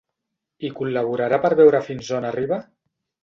¿Hi col·laborarà per veure fins on arriba?